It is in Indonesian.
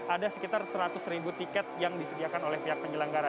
ada sekitar seratus ribu tiket yang disediakan oleh pihak penyelenggara